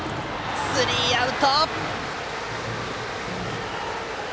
スリーアウト。